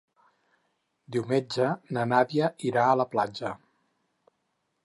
Diumenge na Nàdia irà a la platja.